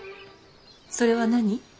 それは何。